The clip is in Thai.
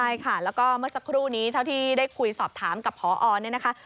ใช่ค่ะแล้วก็เมื่อสักครู่นี้เท่าที่ได้คุยสอบถามกับพอเนี่ยนะคะ